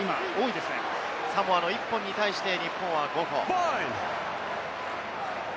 サモアの１個に対して日本は５個。